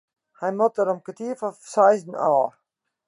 Hy moat der om kertier foar seizen ôf.